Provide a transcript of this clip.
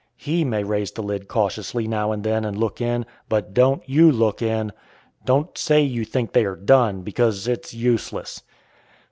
He may raise the lid cautiously now and then and look in, but don't you look in. Don't say you think they are done, because it's useless.